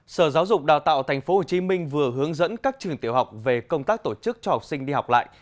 sở giáo dục đào tạo tp hcm vừa hướng dẫn các trường tiểu học về công tác tổ chức cho học sinh đi học lại